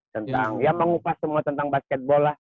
tentang ya mengupas semua tentang basketbol lah